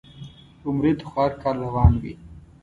عمرې ته خو هر کال روان وي.